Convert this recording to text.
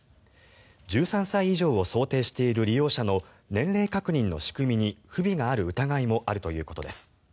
１３歳以上を想定している利用者の年齢確認の仕組みに不備がある疑いもあるということです。